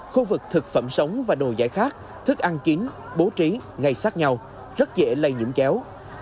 khu vực thực phẩm sống và đồ giải khác thức ăn kín bố trí ngay sát nhau rất dễ lây nhiễm chéo